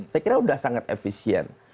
saya kira sudah sangat efisien